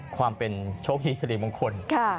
ความเป็นโชคดีสริมงคล